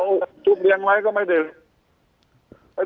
แต่ถือเลี้ยงให้ก็ไม่ดี